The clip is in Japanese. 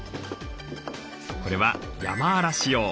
これはヤマアラシ用。